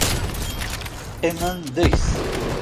Qqimen deg-s.